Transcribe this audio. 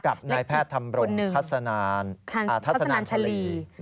กับนายแพทย์ทำรงทัศนานชะลี